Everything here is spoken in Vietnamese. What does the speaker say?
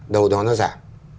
đầu đó nó giảm